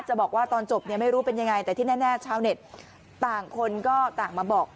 บอกว่าตอนจบเนี่ยไม่รู้เป็นยังไงแต่ที่แน่ชาวเน็ตต่างคนก็ต่างมาบอก